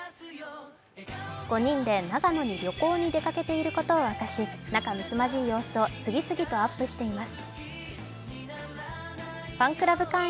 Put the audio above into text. ５人で長野に旅行に出かけていることを明かし、仲むつまじい様子を次々とアップしています。